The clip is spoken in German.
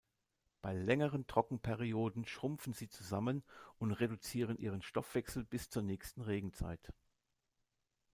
Bei längeren Trockenperioden schrumpfen sie zusammen und reduzieren ihren Stoffwechsel bis zur nächsten Regenzeit.